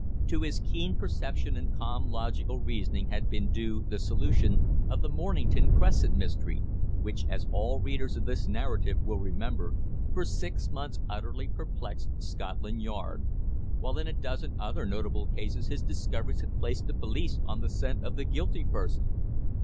To his keen perception and calm logical reasoning had been due the solution of "The Mornington Crescent Mystery," which, as all readers of this narrative will remember, for six months utterly perplexed Scotland Yard; while in a dozen other notable cases his discoveries had placed the police on the scent of the guilty person.